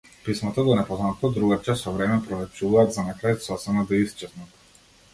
Писмата до непознатото другарче со време проретчуваат за на крај сосема да исчезнат.